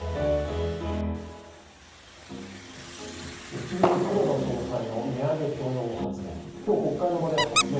日銀、黒田総裁の値上げ許容発言